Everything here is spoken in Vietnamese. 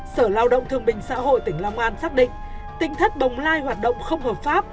sở lao động thương minh xã hội tp hcm xác định tinh thất bồng lai hoạt động không hợp pháp